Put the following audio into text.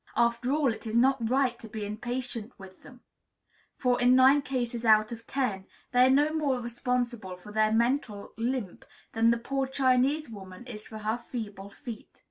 After all, it is not right to be impatient with them; for, in nine cases out of ten, they are no more responsible for their mental limp than the poor Chinese woman is for her feeble feet.